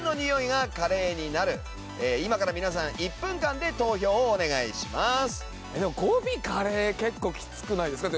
今から皆さん１分間で投票をお願いします。